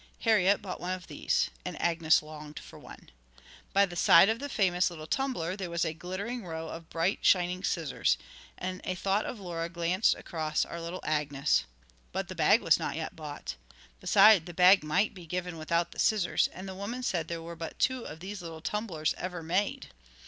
Harriet bought one of these, and Agnes longed for one. By the side of the famous little tumbler there was a glittering row of bright shining scissors, and a thought of Laura glanced across our little Agnes. But the bag was not yet bought. Besides, the bag might be given without the scissors, and the woman said there were but two of these little tumblers ever made.